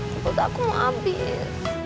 tentu aku mau habis